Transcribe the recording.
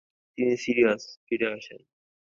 তিনি সিরিয়ায় ফিরে আসেন।